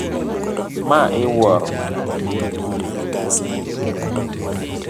Ma iwuoro.